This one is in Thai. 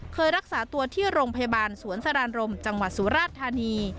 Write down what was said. เคยรักษาตัวที่โรงพยาบาลสวนสรานรมจังหวัดสุราชธานี